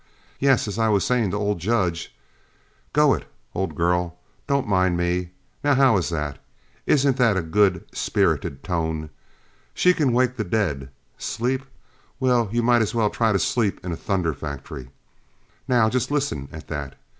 Yes, as I was saying to old Judge go it, old girl, don't mind me. Now how is that? isn't that a good, spirited tone? She can wake the dead! Sleep? Why you might as well try to sleep in a thunder factory. Now just listen at that.